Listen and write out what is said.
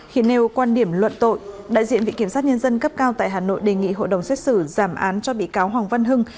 khi nêu quan điểm luận tội đại diện vị kiểm sát nhân dân cấp cao tại hà nội đề nghị hội đồng xét xử giảm án cho bị cáo hoàng văn hưng